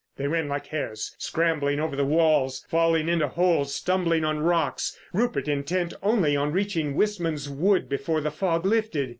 They ran like hares; scrambling over the walls, falling into holes, stumbling on rocks, Rupert intent only on reaching Wistman's wood before the fog lifted.